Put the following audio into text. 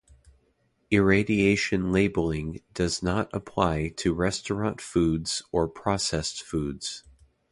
Irradiation labeling does not apply to restaurant foods or processed foods.